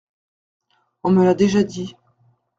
On me l’a déjà dit…